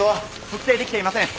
特定できていません。